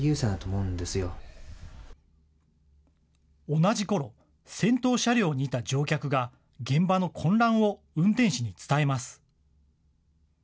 同じころ、先頭車両にいた乗客が、現場の混乱を運転士に伝えます。